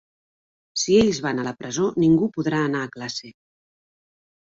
Si ells van a la presó ningú podrà anar a classe.